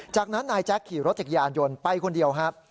จากนั้นนายแจ๊คขี่รถจักรยานยนต์ไปคนเดียวครับ